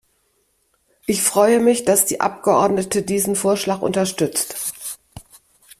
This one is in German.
Ich freue mich, dass die Abgeordnete diesen Vorschlag unterstützt.